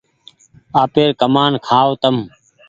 آپير ڪمآن کآئو تم